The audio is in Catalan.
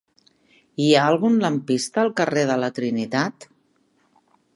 Hi ha algun lampista al carrer de la Trinitat?